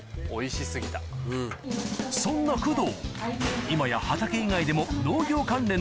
そんな工藤